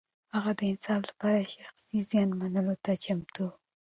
هغه د انصاف لپاره شخصي زيان منلو ته چمتو و.